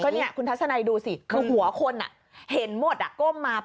ก็เนี่ยคุณทัศนัยดูสิคือหัวคนอ่ะเห็นหมดอ่ะก้มมาปกติ